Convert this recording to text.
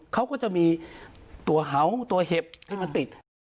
เขาก็จะมีตัวเห่าตัวเห็บที่มันติด